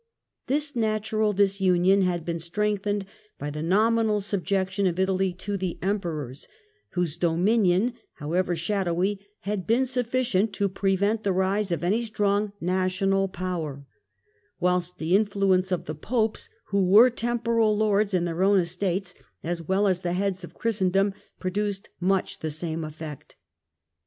This natural disunion had been strengthened by the nominal subjection of Italy to the Emperors, whose dominion, however shadowy, had been sufficient to prevent the rise of any strong national power ; whilst the influence of the Popes, who were temporal lords in their own estates, as well as the heads of Christendom, produced much the same effect.